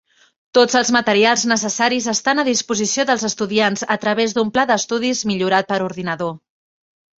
Tots els materials necessaris estan a disposició dels estudiants a través d'un pla d'estudis millorat per ordinador.